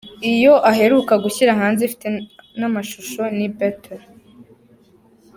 Iyo aheruka gushyira hanze ifite n’amashusho ni ‘Better’.